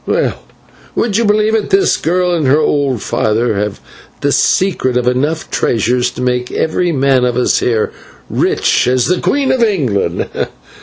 "Well, would you believe it? this girl and her old father have the secret of enough treasure to make every man of us here rich as the Queen of England.